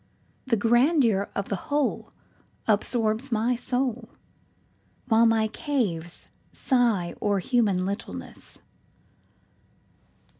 The grandeur of the WholeAbsorbs my soul, While my caves sigh o'er human littleness.